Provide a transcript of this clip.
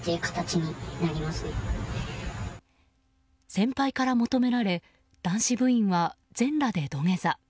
先輩から求められ男子部員は全裸で土下座。